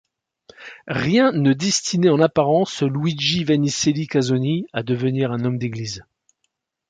Rien ne destinait en apparence Luigi Vannicelli Casoni à devenir un homme d'église.